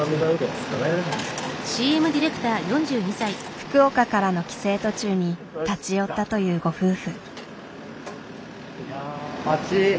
福岡からの帰省途中に立ち寄ったというご夫婦。